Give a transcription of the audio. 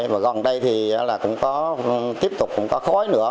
và gần đây thì cũng có tiếp tục cũng có khói nữa